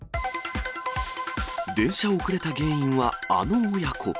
電車遅れた原因はあの親子。